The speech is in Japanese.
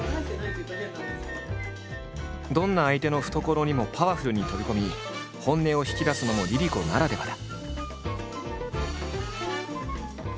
どんな相手の懐にもパワフルに飛び込み本音をひきだすのもＬｉＬｉＣｏならではだ。